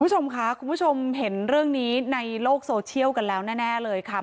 คุณผู้ชมค่ะคุณผู้ชมเห็นเรื่องนี้ในโลกโซเชียลกันแล้วแน่เลยค่ะ